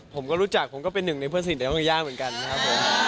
ผมก็รู้จักผมก็เป็นหนึ่งในเพื่อนสนิทในห้องย่าเหมือนกันครับผม